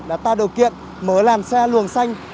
đã tạo điều kiện mở làm xe luồng xanh